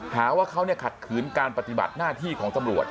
หาว่าเขาขัดขืนการปฏิบัติหน้าที่ของตำรวจ